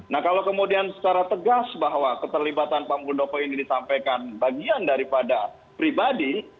nah kalau kemudian secara tegas bahwa keterlibatan pak muldoko ini disampaikan bagian daripada pribadi